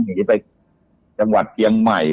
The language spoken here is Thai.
หนีไปจังหวัดเชียงใหม่